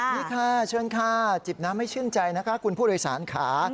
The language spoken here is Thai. นี่ค่ะเชิญค่ะจิบน้ำให้ชื่นใจนะคะคุณผู้โดยสารค่ะ